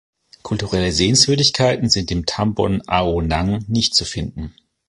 Kulturelle Sehenswürdigkeiten sind im Tambon Ao Nang nicht zu finden.